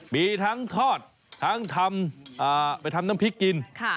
มีทั้งทอดทั้งทำไปทำน้ำพริกกิน